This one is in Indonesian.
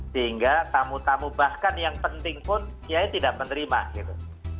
sehingga tamu tamu bahkan yang penting pun kiai tidak menerima gitu